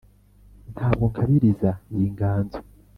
Ntabwo nkabiriza iyi nganzo